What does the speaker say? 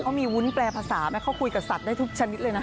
เขามีวุ้นแปลภาษาไหมเขาคุยกับสัตว์ได้ทุกชนิดเลยนะ